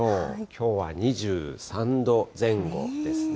きょうは２３度前後ですね。